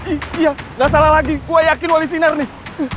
iya gak salah lagi gue yakin wali sinar nih